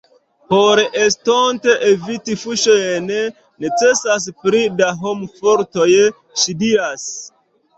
Por estonte eviti fuŝojn necesas pli da homfortoj, ŝi diras.